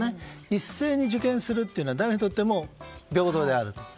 一斉に受験するというのは誰にとっても平等である。